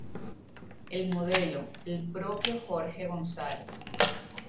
El modelo, el propio Jorge González.